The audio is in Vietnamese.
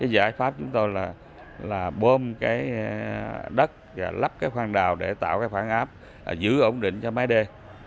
giải pháp chúng tôi là bơm đất và lắp khoang đào để tạo khoảng áp giữ ổn định cho máy đê